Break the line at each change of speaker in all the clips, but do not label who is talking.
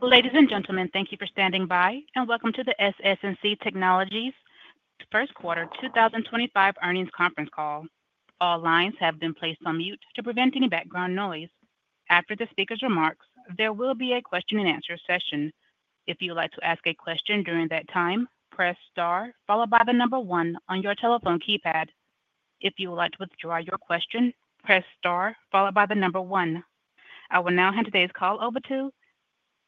Ladies and gentlemen, thank you for standing by, and welcome to the SS&C Technologies' First Quarter 2025 Earnings Conference Call. All lines have been placed on mute to prevent any background noise. After the speakers' remarks, there will be a question-and-answer session. If you would like to ask a question during that time, press star followed by the number one on your telephone keypad. If you would like to withdraw your question, press star followed by the number one. I will now hand today's call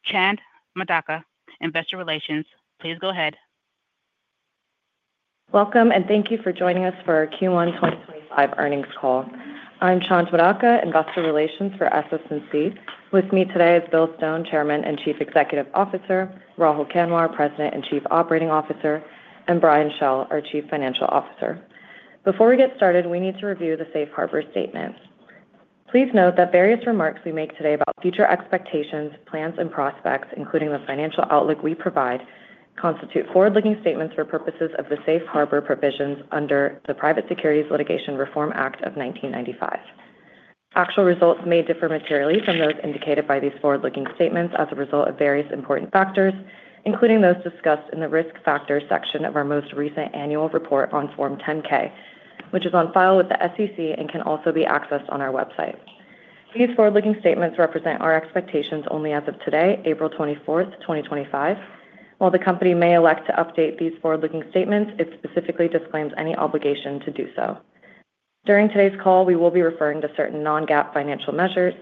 over to Chand Madaka, Investor Relations. Please go ahead.
Welcome, and thank you for joining us for our Q1 2025 earnings call. I'm Chand Madaka, Investor Relations for SS&C. With me today is Bill Stone, Chairman and Chief Executive Officer; Rahul Kanwar, President and Chief Operating Officer; and Brian Schell, our Chief Financial Officer. Before we get started, we need to review the Safe Harbor Statement. Please note that various remarks we make today about future expectations, plans, and prospects, including the financial outlook we provide, constitute forward-looking statements for purposes of the Safe Harbor Provisions under the Private Securities Litigation Reform Act of 1995. Actual results may differ materially from those indicated by these forward-looking statements as a result of various important factors, including those discussed in the risk factor section of our most recent annual report on Form 10-K, which is on file with the SEC and can also be accessed on our website. These forward-looking statements represent our expectations only as of today, April 24, 2025. While the company may elect to update these forward-looking statements, it specifically disclaims any obligation to do so. During today's call, we will be referring to certain non-GAAP financial measures.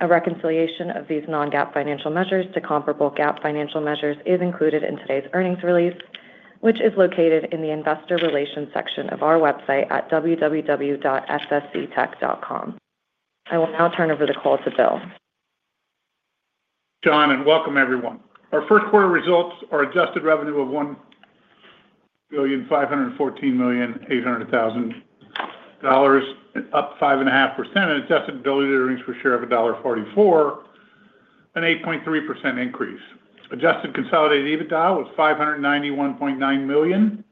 A reconciliation of these non-GAAP financial measures to comparable GAAP financial measures is included in today's earnings release, which is located in the Investor Relations section of our website at www.ssctech.com. I will now turn over the call to Bill.
Welcome, everyone. Our first quarter results are adjusted revenue of $1,514,800, up 5.5%, and adjusted diluted earnings per share of $1.44, an 8.3% increase. Adjusted consolidated EBITDA was $591.9 million,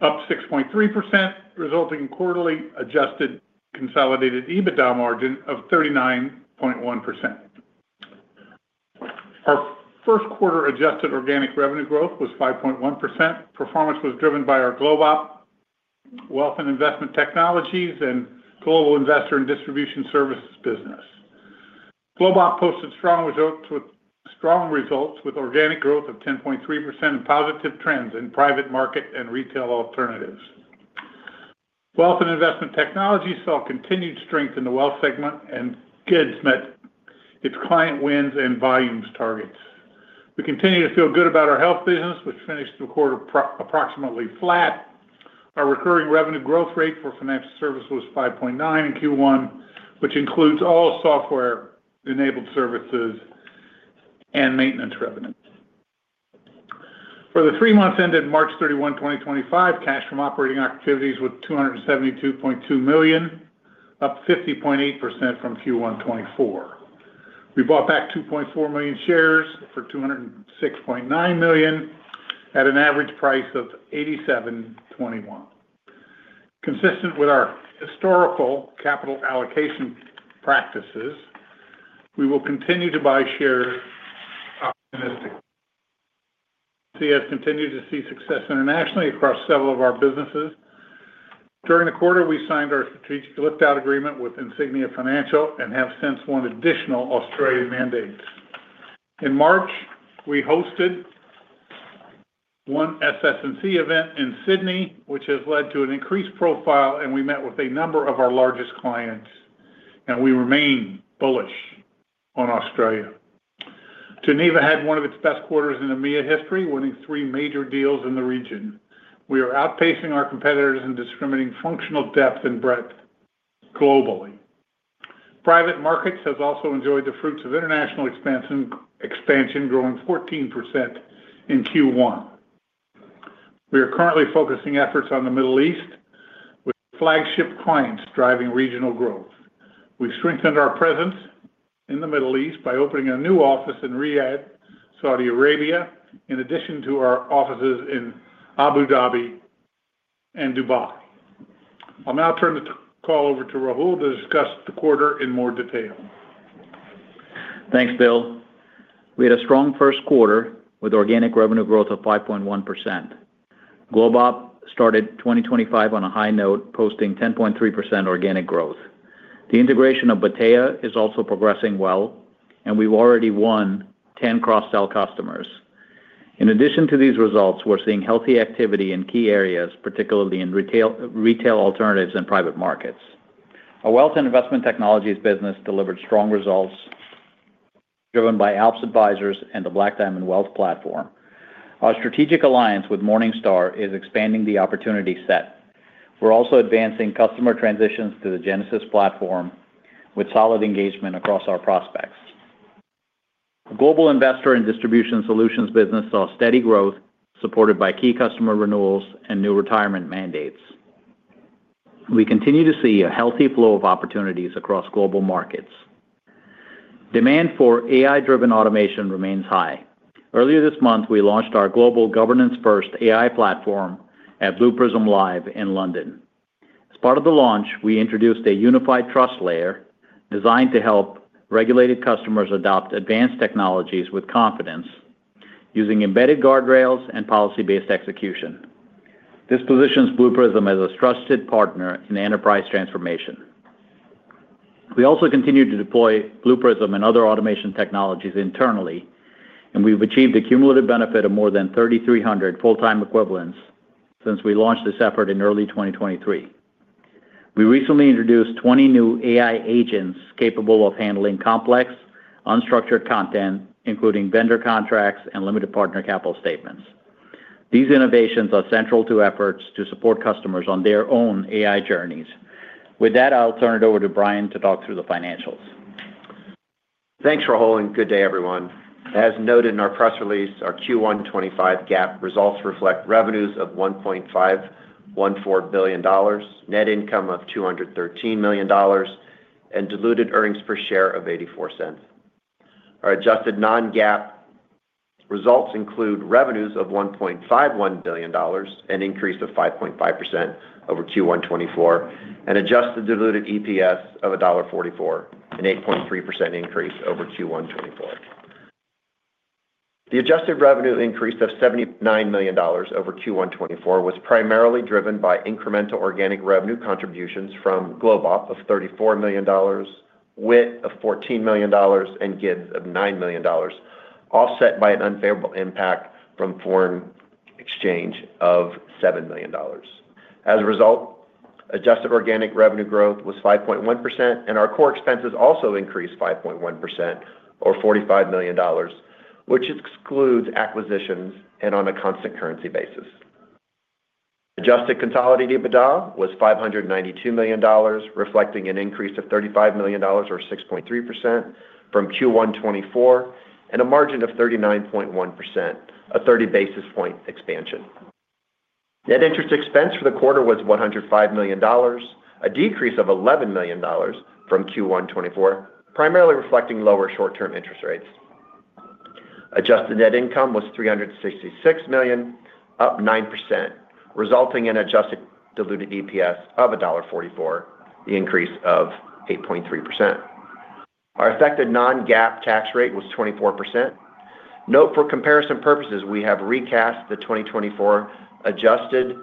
up 6.3%, resulting in quarterly adjusted consolidated EBITDA margin of 39.1%. Our first quarter adjusted organic revenue growth was 5.1%. Performance was driven by our GlobeOp, Wealth and Investment Technologies and Global Investor and Distribution Services business. GlobeOp posted strong results with organic growth of 10.3% and positive trends in private market and retail alternatives. Wealth and Investment Technologies saw continued strength in the Wealth segment and GIDS met its client wins and volumes targets. We continue to feel good about our Health business, which finished the quarter approximately flat. Our recurring revenue growth rate for financial services was 5.9% in Q1, which includes all software-enabled services and maintenance revenue. For the three months ended March 31, 2025, cash from operating activities was $272.2 million, up 50.8% from Q1 2024. We bought back 2.4 million shares for $206.9 million at an average price of $8,721. Consistent with our historical capital allocation practices, we will continue to buy shares optimistically. SS&C continues to see success internationally across several of our businesses. During the quarter, we signed our strategic lift-out agreement with Insignia Financial and have since won additional Australia mandates. In March, we hosted one SS&C event in Sydney, which has led to an increased profile, and we met with a number of our largest clients, and we remain bullish on Australia. Geneva had one of its best quarters in EMEA history, winning three major deals in the region. We are outpacing our competitors and discriminating functional depth and breadth globally. Private markets have also enjoyed the fruits of international expansion, growing 14% in Q1. We are currently focusing efforts on the Middle East with flagship clients driving regional growth. We have strengthened our presence in the Middle East by opening a new office in Riyadh, Saudi Arabia, in addition to our offices in Abu Dhabi and Dubai. I'll now turn the call over to Rahul to discuss the quarter in more detail.
Thanks, Bill. We had a strong first quarter with organic revenue growth of 5.1%. GlobeOp started 2025 on a high note, posting 10.3% organic growth. The integration of Battea is also progressing well, and we've already won 10 cross-sell customers. In addition to these results, we're seeing healthy activity in key areas, particularly in retail alternatives and private markets. Our Wealth and Investment Technologies business delivered strong results driven by ALPS Advisors and the Black Diamond Wealth Platform. Our strategic alliance with Morningstar is expanding the opportunity set. We're also advancing customer transitions to the Genesis platform with solid engagement across our prospects. The Global Investor and Distribution Solutions business saw steady growth, supported by key customer renewals and new retirement mandates. We continue to see a healthy flow of opportunities across global markets. Demand for AI-driven automation remains high. Earlier this month, we launched our global governance-first AI platform at Blue Prism Live in London. As part of the launch, we introduced a unified trust layer designed to help regulated customers adopt advanced technologies with confidence using embedded guardrails and policy-based execution. This positions Blue Prism as a trusted partner in enterprise transformation. We also continue to deploy Blue Prism and other automation technologies internally, and we've achieved a cumulative benefit of more than 3,300 full-time equivalents since we launched this effort in early 2023. We recently introduced 20 new AI agents capable of handling complex, unstructured content, including vendor contracts and limited partner capital statements. These innovations are central to efforts to support customers on their own AI journeys. With that, I'll turn it over to Brian to talk through the financials.
Thanks, Rahul. Good day, everyone. As noted in our press release, our Q1 2025 GAAP results reflect revenues of $1.514 billion, net income of $213 million, and diluted earnings per share of $0.84. Our adjusted non-GAAP results include revenues of $1.51 billion, an increase of 5.5% over Q1 2024, and adjusted diluted EPS of $1.44, an 8.3% increase over Q1 2024. The adjusted revenue increase of $79 million over Q1 2024 was primarily driven by incremental organic revenue contributions from GlobeOp of $34 million, WIT of $14 million, and GIDS of $9 million, offset by an unfavorable impact from foreign exchange of $7 million. As a result, adjusted organic revenue growth was 5.1%, and our core expenses also increased 5.1%, or $45 million, which excludes acquisitions and on a constant currency basis. Adjusted consolidated EBITDA was $592 million, reflecting an increase of $35 million, or 6.3%, from Q1 2024, and a margin of 39.1%, a 30 basis point expansion. Net interest expense for the quarter was $105 million, a decrease of $11 million from Q1 2024, primarily reflecting lower short-term interest rates. Adjusted net income was $366 million, up 9%, resulting in adjusted diluted EPS of $1.44, an increase of 8.3%. Our effective non-GAAP tax rate was 24%. Note for comparison purposes, we have recast the 2024 adjusted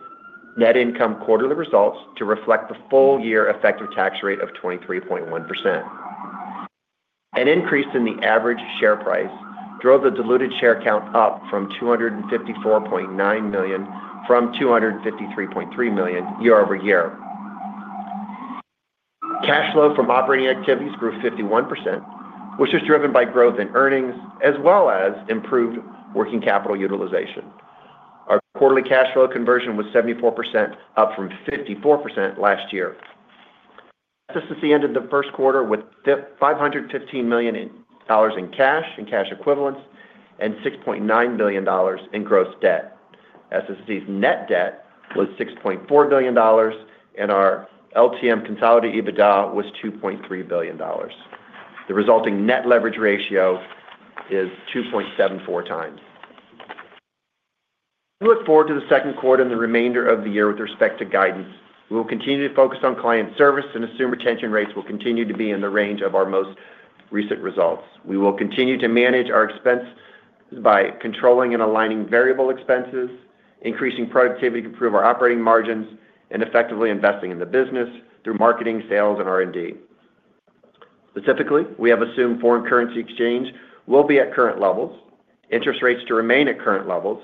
net income quarterly results to reflect the full-year effective tax rate of 23.1%. An increase in the average share price drove the diluted share count up to 254.9 million from 253.3 million year over year. Cash flow from operating activities grew 51%, which was driven by growth in earnings as well as improved working capital utilization. Our quarterly cash flow conversion was 74%, up from 54% last year. SS&C ended the first quarter with $515 million in cash and cash equivalents and $6.9 billion in gross debt. SS&C's net debt was $6.4 billion, and our LTM consolidated EBITDA was $2.3 billion. The resulting net leverage ratio is 2.74x times. We look forward to the second quarter and the remainder of the year with respect to guidance. We will continue to focus on client service and assume retention rates will continue to be in the range of our most recent results. We will continue to manage our expenses by controlling and aligning variable expenses, increasing productivity to improve our operating margins, and effectively investing in the business through marketing, sales, and R&D. Specifically, we have assumed foreign currency exchange will be at current levels, interest rates to remain at current levels,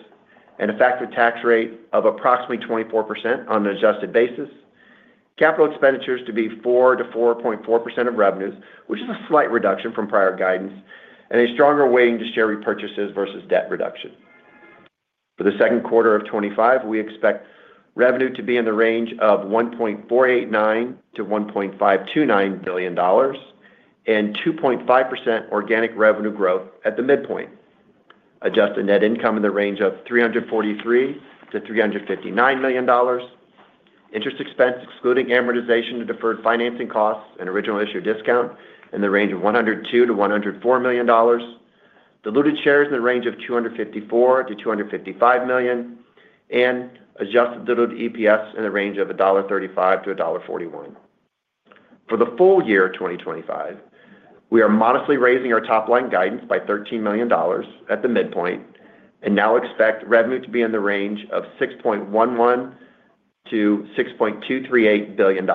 and effective tax rate of approximately 24% on an adjusted basis, capital expenditures to be 4%-4.4% of revenues, which is a slight reduction from prior guidance, and a stronger weighting to share repurchases versus debt reduction. For the second quarter of 2025, we expect revenue to be in the range of $1.489 billion-$1.529 billion and 2.5% organic revenue growth at the midpoint, adjusted net income in the range of $343 million-$359 million, interest expense excluding amortization to deferred financing costs and original issue discount in the range of $102 million-$104 million, diluted shares in the range of 254 million-255 million, and adjusted diluted EPS in the range of $1.35-$1.41. For the full year of 2025, we are modestly raising our top-line guidance by $13 million at the midpoint and now expect revenue to be in the range of $6.11 billion-$6.238 billion.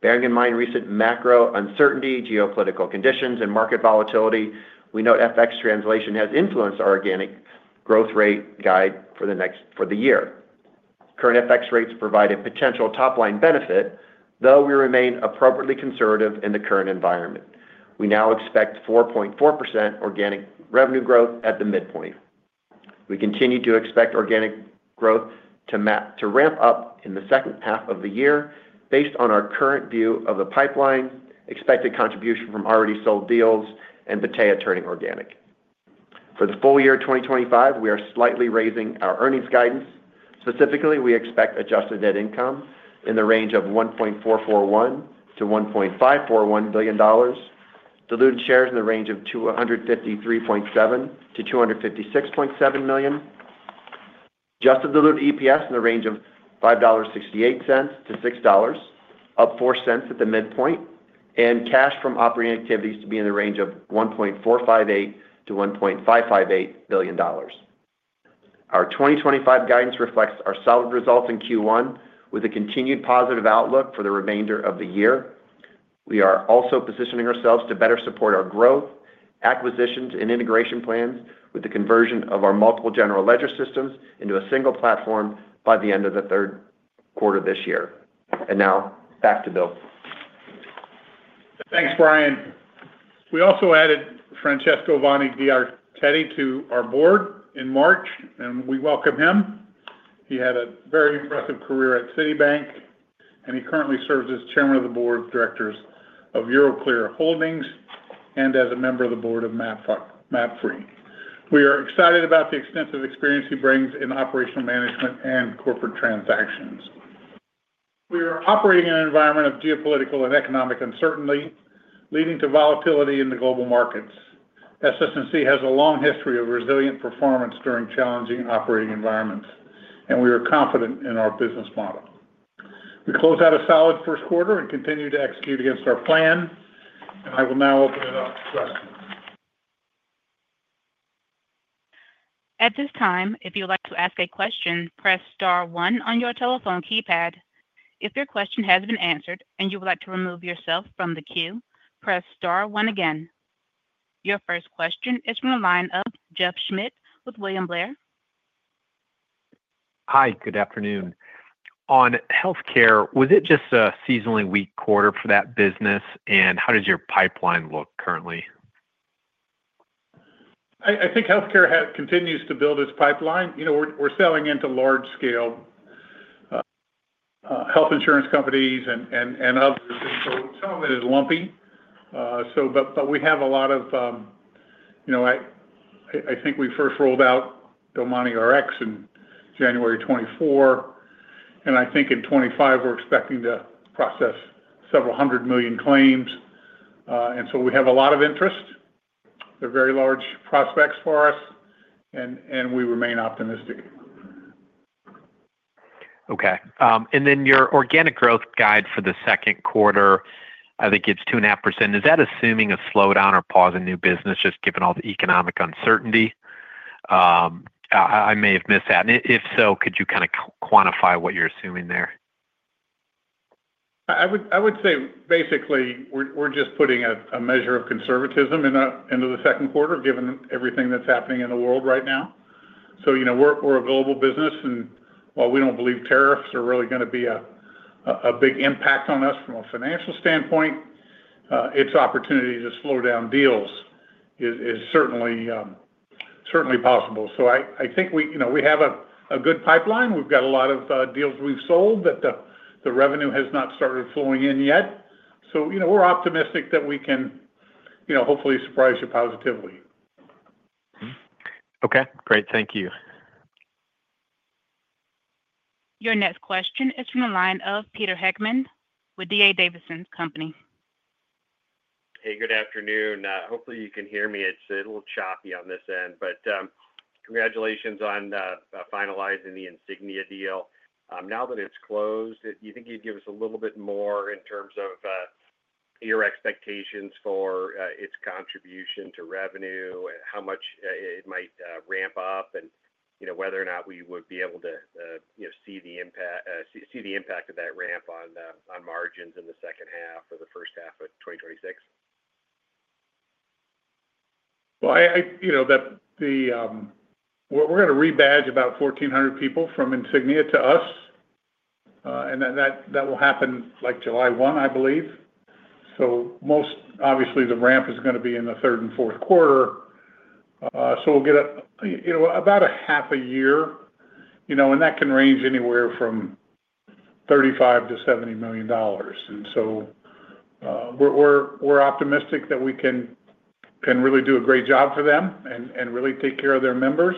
Bearing in mind recent macro uncertainty, geopolitical conditions, and market volatility, we note FX translation has influenced our organic growth rate guide for the year. Current FX rates provide a potential top-line benefit, though we remain appropriately conservative in the current environment. We now expect 4.4% organic revenue growth at the midpoint. We continue to expect organic growth to ramp up in the second half of the year based on our current view of the pipeline, expected contribution from already sold deals, and Battea turning organic. For the full year of 2025, we are slightly raising our earnings guidance. Specifically, we expect adjusted net income in the range of $1.441 billion-$1.541 billion, diluted shares in the range of 253.7 million-256.7 million, adjusted diluted EPS in the range of $5.68-$6, up $0.04 at the midpoint, and cash from operating activities to be in the range of $1.458 billion-$1.558 billion. Our 2025 guidance reflects our solid results in Q1 with a continued positive outlook for the remainder of the year. We are also positioning ourselves to better support our growth, acquisitions, and integration plans with the conversion of our multiple general ledger systems into a single platform by the end of the third quarter of this year. Now back to Bill.
Thanks, Brian. We also added Francesco Vanni d'Archirafi to our board in March, and we welcome him. He had a very impressive career at Citibank, and he currently serves as chairman of the board of directors of Euroclear Holding and as a member of the board of MAPFRE. We are excited about the extensive experience he brings in operational management and corporate transactions. We are operating in an environment of geopolitical and economic uncertainty leading to volatility in the global markets. SS&C has a long history of resilient performance during challenging operating environments, and we are confident in our business model. We close out a solid first quarter and continue to execute against our plan, and I will now open it up to questions.
At this time, if you would like to ask a question, press star one on your telephone keypad. If your question has been answered and you would like to remove yourself from the queue, press star one again. Your first question is from the line of Jeff Schmitt with William Blair.
Hi, good afternoon. On healthcare, was it just a seasonally weak quarter for that business, and how does your pipeline look currently?
I think healthcare continues to build its pipeline. We're selling into large-scale health insurance companies and others, and some of it is lumpy. We first rolled out DomaniRx in January 2024, and I think in 2025 we're expecting to process several hundred million claims. We have a lot of interest. They're very large prospects for us, and we remain optimistic.
Okay. Your organic growth guide for the second quarter, I think it's 2.5%. Is that assuming a slowdown or pause in new business, just given all the economic uncertainty? I may have missed that. If so, could you kind of quantify what you're assuming there?
I would say, basically, we're just putting a measure of conservatism into the second quarter, given everything that's happening in the world right now. We are a global business, and while we don't believe tariffs are really going to be a big impact on us from a financial standpoint, its opportunity to slow down deals is certainly possible. I think we have a good pipeline. We've got a lot of deals we've sold that the revenue has not started flowing in yet. We are optimistic that we can hopefully surprise you positively.
Okay. Great. Thank you.
Your next question is from the line of Peter Heckmann with D.A. Davidson company.
Hey, good afternoon. Hopefully, you can hear me. It's a little choppy on this end, but congratulations on finalizing the Insignia deal. Now that it's closed, do you think you'd give us a little bit more in terms of your expectations for its contribution to revenue, how much it might ramp up, and whether or not we would be able to see the impact of that ramp on margins in the second half or the first half of 2026?
We're going to rebadge about 1,400 people from Insignia to us, and that will happen like July 1, I believe. Obviously, the ramp is going to be in the third and fourth quarter. We'll get about half a year, and that can range anywhere from $35 million-$70 million. We're optimistic that we can really do a great job for them and really take care of their members.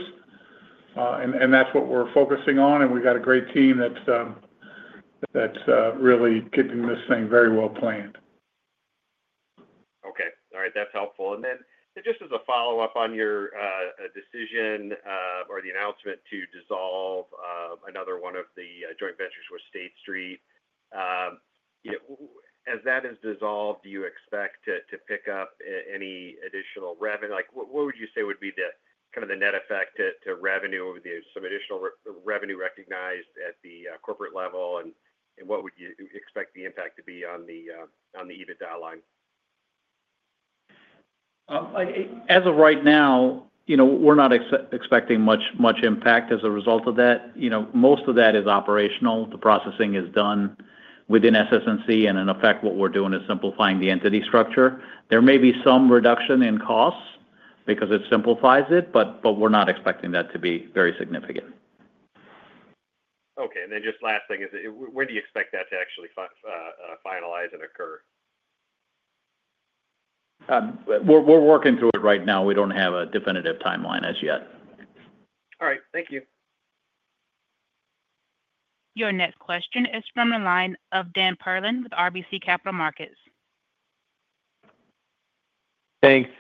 That's what we're focusing on, and we've got a great team that's really keeping this thing very well planned.
Okay. All right. That's helpful. Just as a follow-up on your decision or the announcement to dissolve another one of the joint ventures with State Street, as that is dissolved, do you expect to pick up any additional revenue? What would you say would be kind of the net effect to revenue? Would there be some additional revenue recognized at the corporate level, and what would you expect the impact to be on the EBITDA line?
As of right now, we're not expecting much impact as a result of that. Most of that is operational. The processing is done within SS&C, and in effect, what we're doing is simplifying the entity structure. There may be some reduction in costs because it simplifies it, but we're not expecting that to be very significant.
Okay. And then just last thing is, when do you expect that to actually finalize and occur?
We're working through it right now. We don't have a definitive timeline as yet.
All right. Thank you.
Your next question is from the line of Dan Perlin with RBC Capital Markets.
Thanks.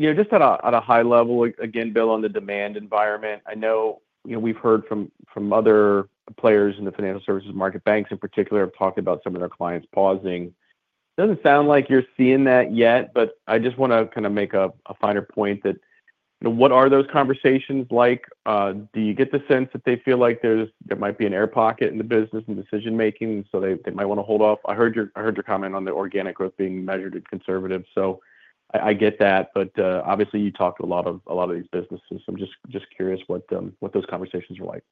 Just at a high level, again, Bill, on the demand environment, I know we've heard from other players in the financial services market. Banks, in particular, have talked about some of their clients pausing. Doesn't sound like you're seeing that yet, but I just want to kind of make a finer point that what are those conversations like? Do you get the sense that they feel like there might be an air pocket in the business and decision-making, so they might want to hold off? I heard your comment on the organic growth being measured and conservative. I get that, but obviously, you talked to a lot of these businesses. I'm just curious what those conversations are like.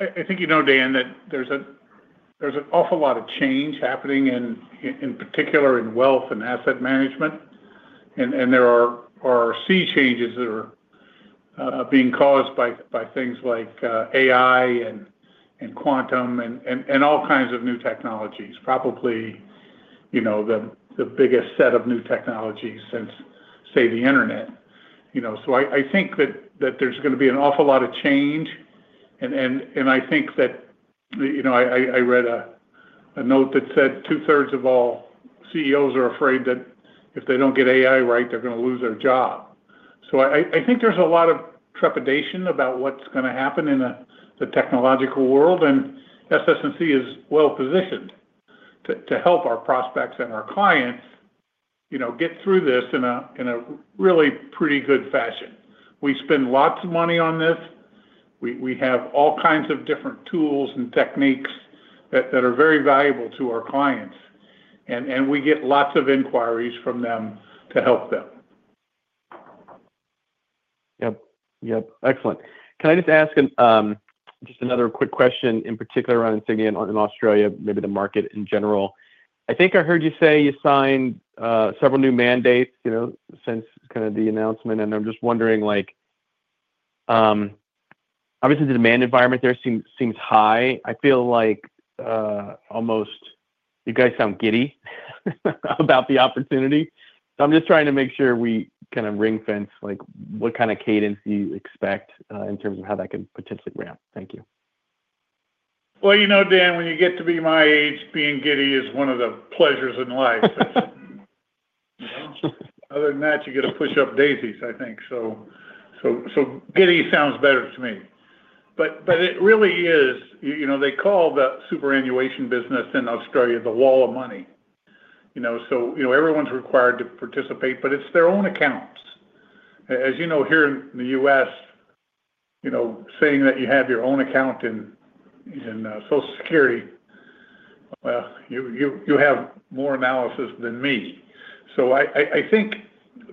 I think you know, Dan, that there's an awful lot of change happening, in particular in wealth and asset management, and there are sea changes that are being caused by things like AI and quantum and all kinds of new technologies, probably the biggest set of new technologies since, say, the internet. I think that there's going to be an awful lot of change, and I think that I read a note that said 2/3 of all CEOs are afraid that if they don't get AI right, they're going to lose their job. I think there's a lot of trepidation about what's going to happen in the technological world, and SS&C is well-positioned to help our prospects and our clients get through this in a really pretty good fashion. We spend lots of money on this. We have all kinds of different tools and techniques that are very valuable to our clients, and we get lots of inquiries from them to help them.
Yep. Excellent. Can I just ask just another quick question, in particular around Insignia in Australia, maybe the market in general? I think I heard you say you signed several new mandates since kind of the announcement, and I'm just wondering, obviously, the demand environment there seems high. I feel like almost you guys sound giddy about the opportunity. I am just trying to make sure we kind of ring-fence what kind of cadence you expect in terms of how that can potentially ramp. Thank you.
Dan, when you get to be my age, being giddy is one of the pleasures in life. Other than that, you get to push up daisies, I think. Giddy sounds better to me. It really is. They call the superannuation business in Australia the wall of money. Everyone is required to participate, but it is their own accounts. As you know, here in the U.S., saying that you have your own account in Social Security, you have more analysis than me. I think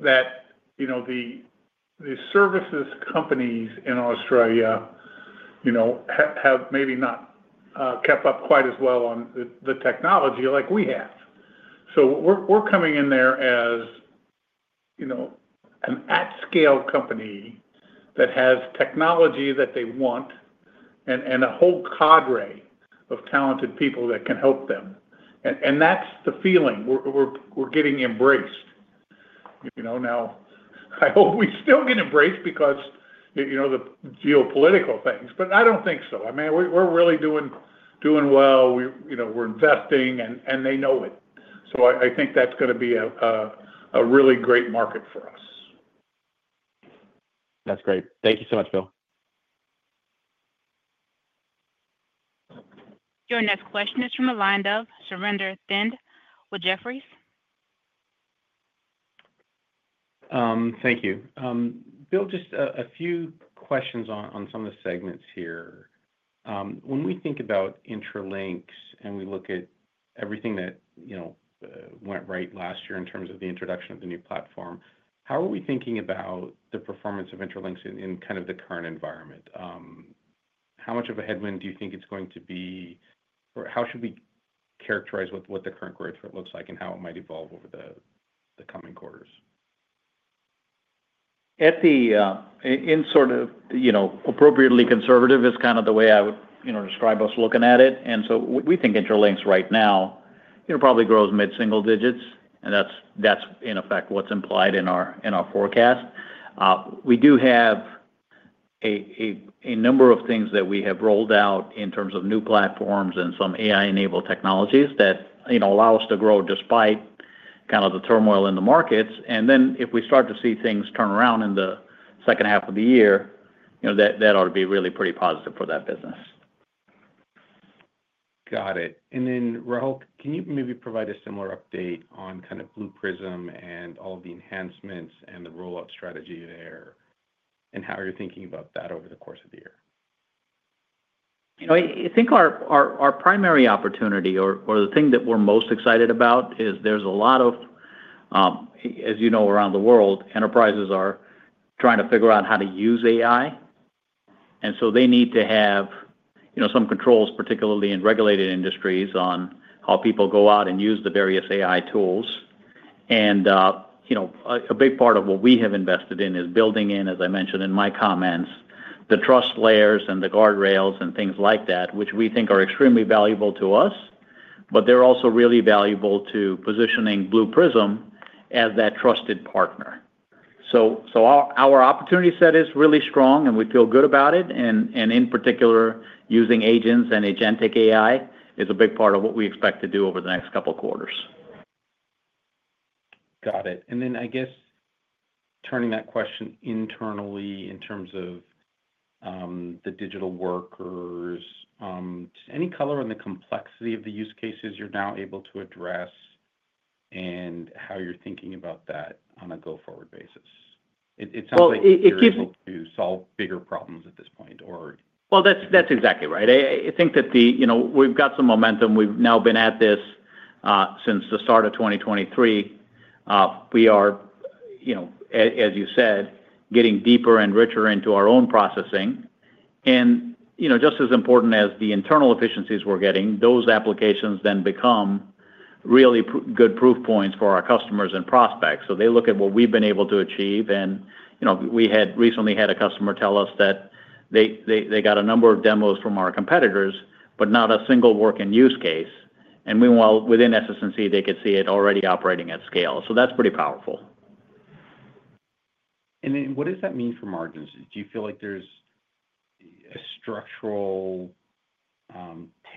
that the services companies in Australia have maybe not kept up quite as well on the technology like we have. We are coming in there as an at-scale company that has technology that they want and a whole cadre of talented people that can help them. That is the feeling. We are getting embraced. Now, I hope we still get embraced because of the geopolitical things, but I don't think so. I mean, we're really doing well. We're investing, and they know it. I think that's going to be a really great market for us.
That's great. Thank you so much, Bill.
Your next question is from the line of Surinder Thind with Jefferies.
Thank you. Bill, just a few questions on some of the segments here. When we think about Intralinks and we look at everything that went right last year in terms of the introduction of the new platform, how are we thinking about the performance of Intralinks in kind of the current environment? How much of a headwind do you think it's going to be, or how should we characterize what the current growth rate looks like and how it might evolve over the coming quarters?
In sort of appropriately conservative is kind of the way I would describe us looking at it. We think Intralinks right now probably grows mid-single digits, and that's in effect what's implied in our forecast. We do have a number of things that we have rolled out in terms of new platforms and some AI-enabled technologies that allow us to grow despite kind of the turmoil in the markets. If we start to see things turn around in the second half of the year, that ought to be really pretty positive for that business.
Got it. Rahul, can you maybe provide a similar update on kind of Blue Prism and all of the enhancements and the rollout strategy there and how you're thinking about that over the course of the year?
I think our primary opportunity or the thing that we're most excited about is there's a lot of, as you know, around the world, enterprises are trying to figure out how to use AI. They need to have some controls, particularly in regulated industries, on how people go out and use the various AI tools. A big part of what we have invested in is building in, as I mentioned in my comments, the trust layers and the guardrails and things like that, which we think are extremely valuable to us, but they're also really valuable to positioning Blue Prism as that trusted partner. Our opportunity set is really strong, and we feel good about it. In particular, using agents and agentic AI is a big part of what we expect to do over the next couple of quarters.
Got it. I guess turning that question internally in terms of the digital workers, any color on the complexity of the use cases you're now able to address and how you're thinking about that on a go-forward basis? It sounds like it's possible to solve bigger problems at this point, or?
That's exactly right. I think that we've got some momentum. We've now been at this since the start of 2023. We are, as you said, getting deeper and richer into our own processing. Just as important as the internal efficiencies we're getting, those applications then become really good proof points for our customers and prospects. They look at what we've been able to achieve. We recently had a customer tell us that they got a number of demos from our competitors, but not a single working use case. Meanwhile, within SS&C, they could see it already operating at scale. That's pretty powerful.
What does that mean for margins? Do you feel like there is a structural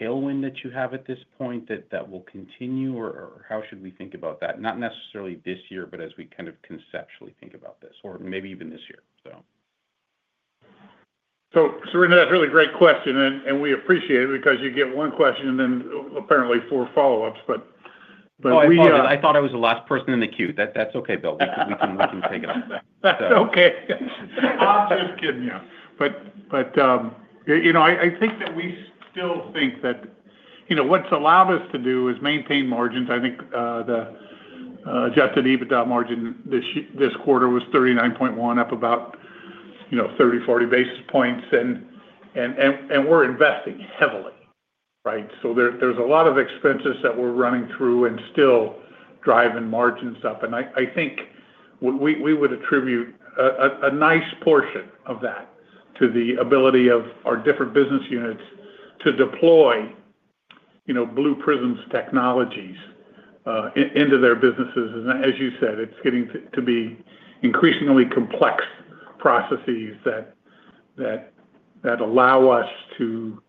tailwind that you have at this point that will continue, or how should we think about that? Not necessarily this year, but as we kind of conceptually think about this, or maybe even this year.
That's a really great question, and we appreciate it because you get one question and then apparently four follow-ups, but we.
I thought I was the last person in the queue. That's okay, Bill. We can take it up.
That's okay. I'm just kidding you. I think that we still think that what's allowed us to do is maintain margins. I think the adjusted EBITDA margin this quarter was 39.1%, up about 30-40 basis points, and we're investing heavily, right? There are a lot of expenses that we're running through and still driving margins up. I think we would attribute a nice portion of that to the ability of our different business units to deploy Blue Prism's technologies into their businesses. As you said, it's getting to be increasingly complex processes that allow us to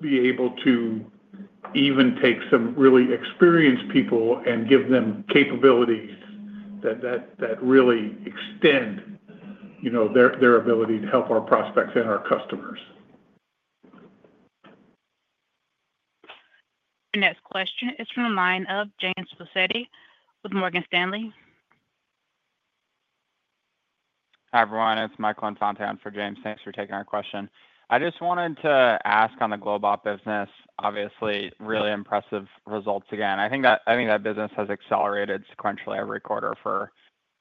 be able to even take some really experienced people and give them capabilities that really extend their ability to help our prospects and our customers.
Your next question is from the line of James Faucette with Morgan Stanley.
Hi, everyone. It's Michael Infante for James. Thanks for taking our question. I just wanted to ask on the global business, obviously, really impressive results again. I think that business has accelerated sequentially every quarter for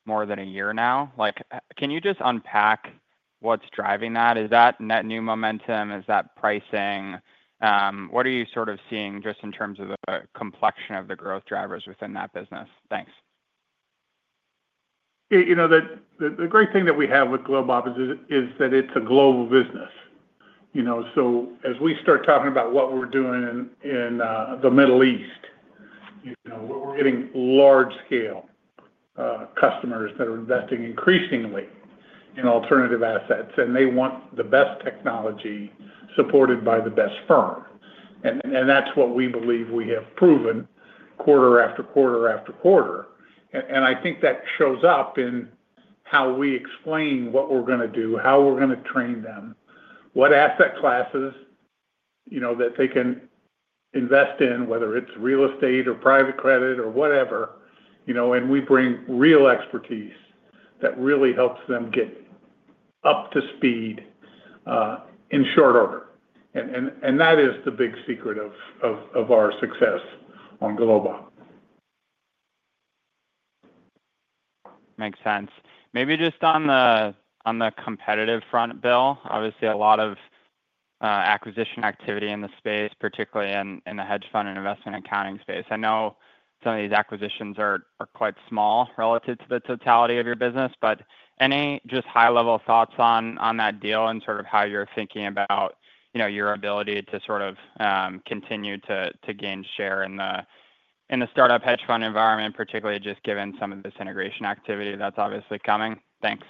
more than a year now. Can you just unpack what's driving that? Is that net new momentum? Is that pricing? What are you sort of seeing just in terms of the complexion of the growth drivers within that business? Thanks.
The great thing that we have with global business is that it's a global business. As we start talking about what we're doing in the Middle East, we're getting large-scale customers that are investing increasingly in alternative assets, and they want the best technology supported by the best firm. That's what we believe we have proven quarter after quarter after quarter. I think that shows up in how we explain what we're going to do, how we're going to train them, what asset classes that they can invest in, whether it's real estate or private credit or whatever. We bring real expertise that really helps them get up to speed in short order. That is the big secret of our success on global.
Makes sense. Maybe just on the competitive front, Bill, obviously, a lot of acquisition activity in the space, particularly in the hedge fund and investment accounting space. I know some of these acquisitions are quite small relative to the totality of your business, but any just high-level thoughts on that deal and sort of how you're thinking about your ability to sort of continue to gain share in the startup hedge fund environment, particularly just given some of this integration activity that's obviously coming? Thanks.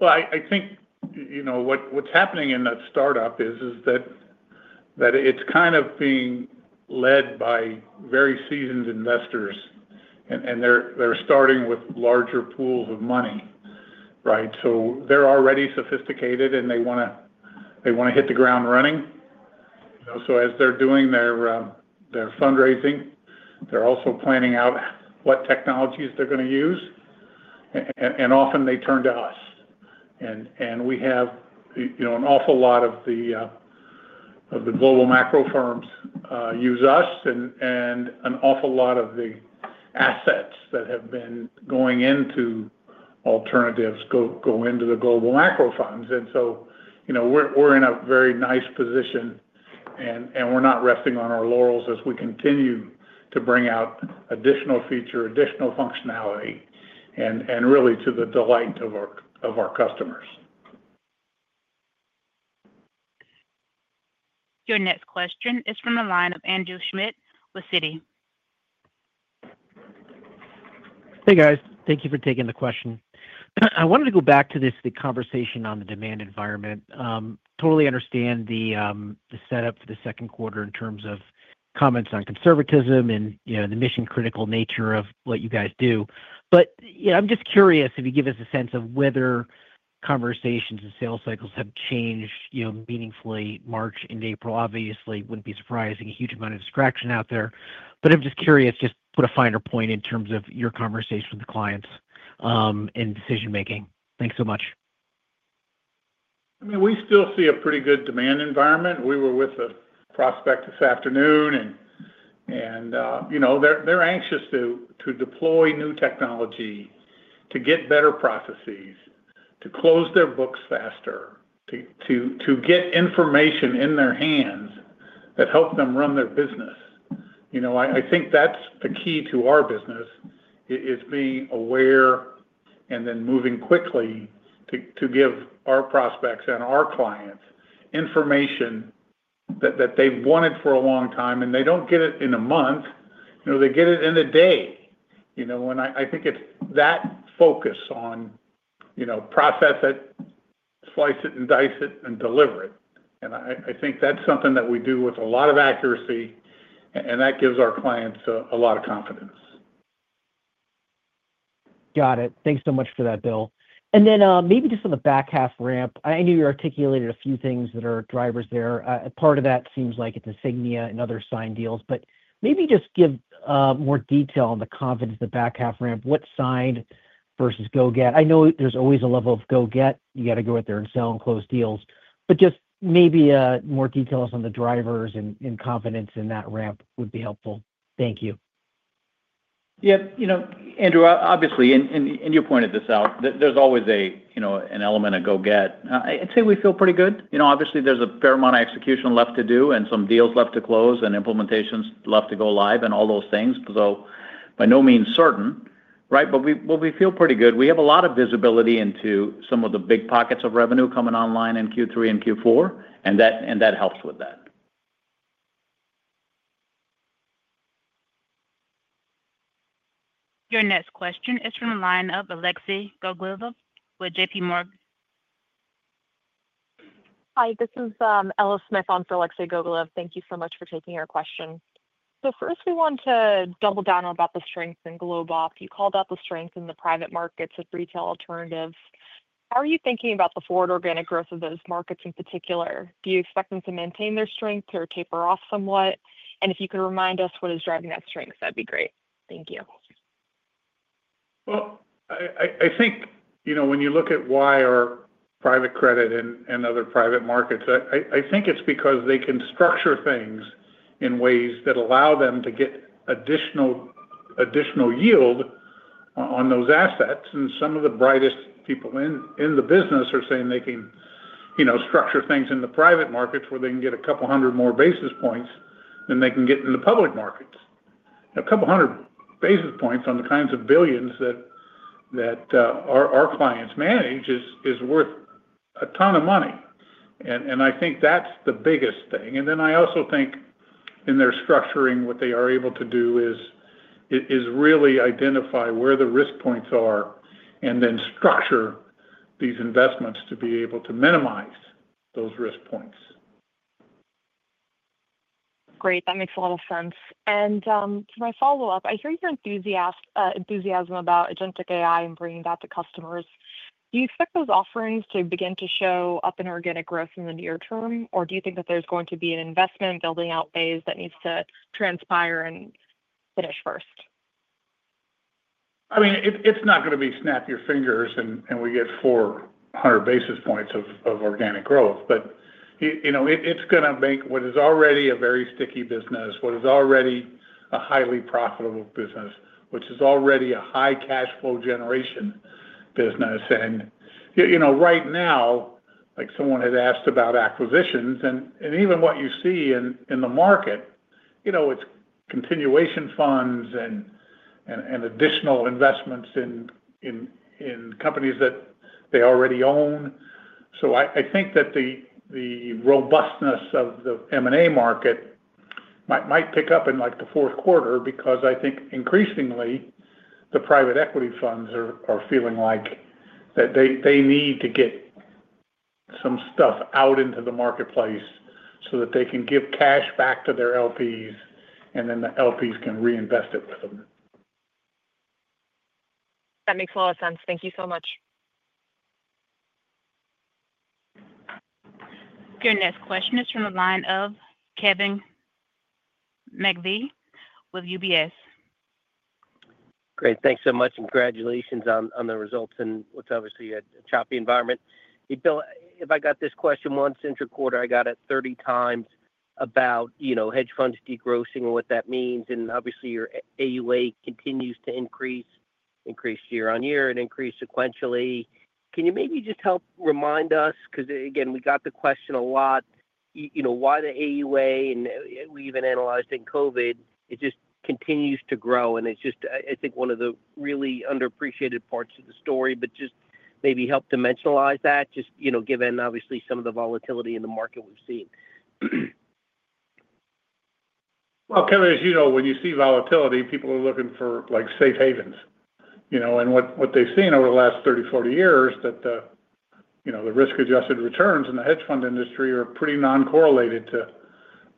I think what's happening in that startup is that it's kind of being led by very seasoned investors, and they're starting with larger pools of money, right? They're already sophisticated, and they want to hit the ground running. As they're doing their fundraising, they're also planning out what technologies they're going to use. Often, they turn to us. We have an awful lot of the global macro firms use us, and an awful lot of the assets that have been going into alternatives go into the global macro funds. We're in a very nice position, and we're not resting on our laurels as we continue to bring out additional feature, additional functionality, and really to the delight of our customers.
Your next question is from the line of Andrew Schmidt with Citi.
Hey, guys. Thank you for taking the question. I wanted to go back to the conversation on the demand environment. Totally understand the setup for the second quarter in terms of comments on conservatism and the mission-critical nature of what you guys do. I'm just curious if you give us a sense of whether conversations and sales cycles have changed meaningfully. March and April, obviously, would not be surprising. A huge amount of distraction out there. I'm just curious, just put a finer point in terms of your conversation with the clients and decision-making. Thanks so much.
I mean, we still see a pretty good demand environment. We were with a prospect this afternoon, and they're anxious to deploy new technology to get better processes, to close their books faster, to get information in their hands that helps them run their business. I think that's the key to our business, is being aware and then moving quickly to give our prospects and our clients information that they've wanted for a long time, and they don't get it in a month. They get it in a day. I think it's that focus on process it, slice it, and dice it, and deliver it. I think that's something that we do with a lot of accuracy, and that gives our clients a lot of confidence.
Got it. Thanks so much for that, Bill. Maybe just on the back half ramp, I know you articulated a few things that are drivers there. Part of that seems like it's Insignia and other signed deals, but maybe just give more detail on the confidence of the back half ramp. What's signed versus go-get? I know there's always a level of go-get. You got to go out there and sell and close deals. Maybe more details on the drivers and confidence in that ramp would be helpful. Thank you.
Yeah. Andrew, obviously, and you pointed this out, there's always an element of go-get. I'd say we feel pretty good. Obviously, there's a fair amount of execution left to do and some deals left to close and implementations left to go live and all those things. By no means certain, right? We feel pretty good. We have a lot of visibility into some of the big pockets of revenue coming online in Q3 and Q4, and that helps with that.
Your next question is from the line of Alexei Gogolev with JPMorgan.
Hi. This is Ella Smith on for Alexei Gogolev. Thank you so much for taking our question. First, we want to double down on about the strength in global. You called out the strength in the private markets with retail alternatives. How are you thinking about the forward organic growth of those markets in particular? Do you expect them to maintain their strength or taper off somewhat? If you could remind us what is driving that strength, that'd be great. Thank you.
I think when you look at why our private credit and other private markets, I think it's because they can structure things in ways that allow them to get additional yield on those assets. Some of the brightest people in the business are saying they can structure things in the private markets where they can get a couple hundred more basis points than they can get in the public markets. A couple hundred basis points on the kinds of billions that our clients manage is worth a ton of money. I think that's the biggest thing. I also think in their structuring, what they are able to do is really identify where the risk points are and then structure these investments to be able to minimize those risk points.
Great. That makes a lot of sense. To my follow-up, I hear your enthusiasm about agentic AI and bringing that to customers. Do you expect those offerings to begin to show up in organic growth in the near term, or do you think that there's going to be an investment building out phase that needs to transpire and finish first?
I mean, it's not going to be snap your fingers and we get 400 basis points of organic growth, but it's going to make what is already a very sticky business, what is already a highly profitable business, which is already a high cash flow generation business. Right now, someone had asked about acquisitions, and even what you see in the market, it's continuation funds and additional investments in companies that they already own. I think that the robustness of the M&A market might pick up in the fourth quarter because I think increasingly the private equity funds are feeling like that they need to get some stuff out into the marketplace so that they can give cash back to their LPs, and then the LPs can reinvest it with them.
That makes a lot of sense. Thank you so much.
Your next question is from the line of Kevin McVeigh with UBS.
Great. Thanks so much. Congratulations on the results and what's obviously a choppy environment. Bill, if I got this question once in a quarter, I got it 30 times about hedge funds degrossing and what that means. Obviously, your AuA continues to increase, increase year on year and increase sequentially. Can you maybe just help remind us, because again, we got the question a lot, why the AuA, and we even analyzed in COVID, it just continues to grow. It's just, I think, one of the really underappreciated parts of the story, but just maybe help dimensionalize that, just given obviously some of the volatility in the market we've seen.
Kevin, as you know, when you see volatility, people are looking for safe havens. What they've seen over the last 30, 40 years is that the risk-adjusted returns in the hedge fund industry are pretty non-correlated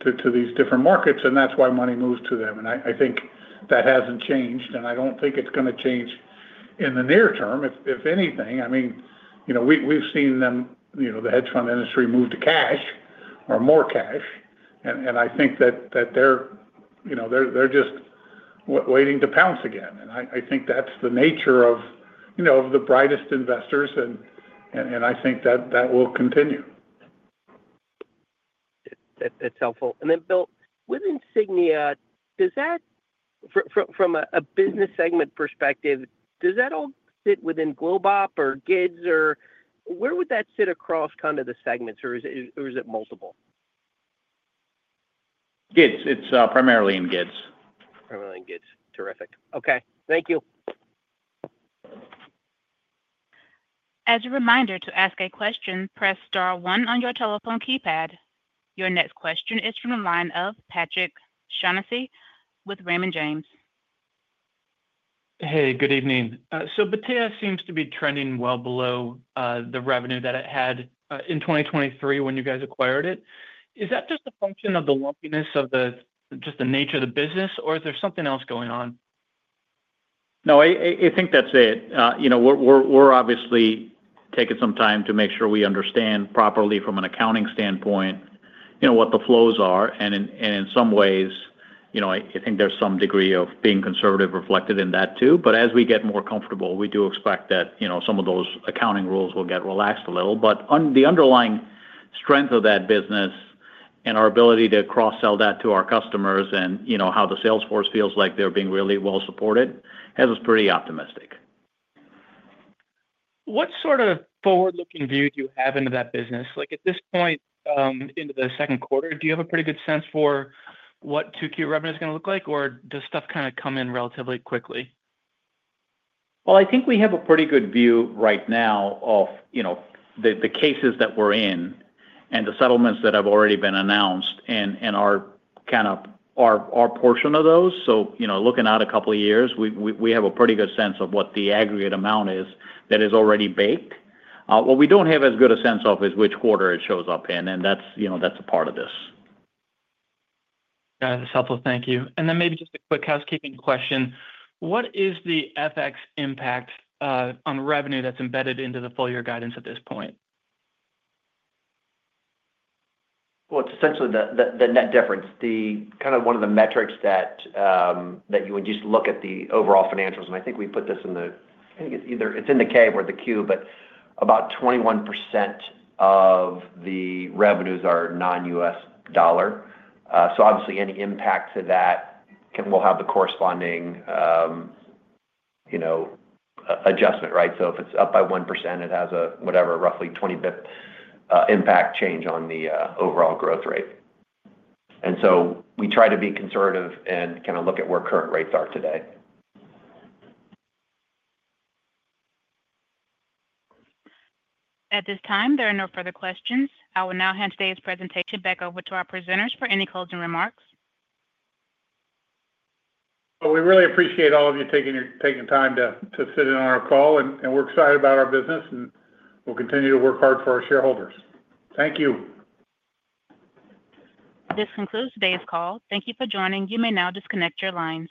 to these different markets, and that's why money moves to them. I think that hasn't changed, and I don't think it's going to change in the near term, if anything. I mean, we've seen the hedge fund industry move to cash or more cash, and I think that they're just waiting to pounce again. I think that's the nature of the brightest investors, and I think that will continue.
That's helpful. Bill, with Insignia, from a business segment perspective, does that all fit within GlobeOp or GIDS? Where would that sit across kind of the segments, or is it multiple?
GIDS. It's primarily in GIDS.
Primarily in GIDS. Terrific. Okay. Thank you.
As a reminder to ask a question, press star one on your telephone keypad. Your next question is from the line of Patrick O’Shaughnessy with Raymond James.
Hey, good evening. Battea seems to be trending well below the revenue that it had in 2023 when you guys acquired it. Is that just a function of the lumpiness of just the nature of the business, or is there something else going on?
No, I think that's it. We're obviously taking some time to make sure we understand properly from an accounting standpoint what the flows are. In some ways, I think there's some degree of being conservative reflected in that too. As we get more comfortable, we do expect that some of those accounting rules will get relaxed a little. The underlying strength of that business and our ability to cross-sell that to our customers and how the sales force feels like they're being really well supported has us pretty optimistic.
What sort of forward-looking view do you have into that business? At this point, into the second quarter, do you have a pretty good sense for what 2Q revenue is going to look like, or does stuff kind of come in relatively quickly?
I think we have a pretty good view right now of the cases that we're in and the settlements that have already been announced and are kind of our portion of those. Looking out a couple of years, we have a pretty good sense of what the aggregate amount is that is already baked. What we do not have as good a sense of is which quarter it shows up in, and that is a part of this.
That's helpful. Thank you. Maybe just a quick housekeeping question. What is the FX impact on revenue that's embedded into the full-year guidance at this point?
It's essentially the net difference, kind of one of the metrics that you would just look at the overall financials. I think we put this in the, I think it's either in the K or the Q, but about 21% of the revenues are non-U.S. dollar. Obviously, any impact to that will have the corresponding adjustment, right? If it's up by 1%, it has a, whatever, roughly 20 basis point impact change on the overall growth rate. We try to be conservative and kind of look at where current rates are today.
At this time, there are no further questions. I will now hand today's presentation back over to our presenters for any closing remarks.
We really appreciate all of you taking time to sit in on our call, and we're excited about our business, and we'll continue to work hard for our shareholders. Thank you.
This concludes today's call. Thank you for joining. You may now disconnect your lines.